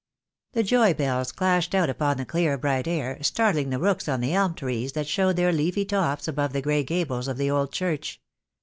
The joy bells clashed out upon the clear, bright air, startling the rooks in the elm trees that showed their leafy tops above the grey gables of the old church.